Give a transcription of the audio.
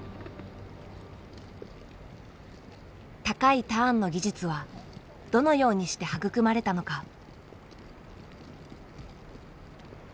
高いターンの技術はどのようにして育まれたのか。